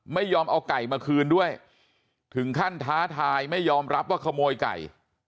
ไม่ยอมเอาไก่มาคืนด้วยถึงขั้นท้าทายไม่ยอมรับว่าขโมยไก่